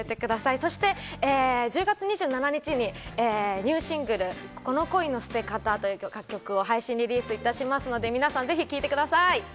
そして１０月２７日にニューシングル『この恋の捨て方』という楽曲を配信リリースいたしますので、皆さんぜひ聴いてください。